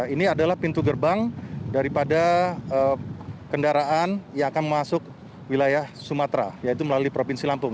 ini adalah pintu gerbang daripada kendaraan yang akan masuk wilayah sumatera yaitu melalui provinsi lampung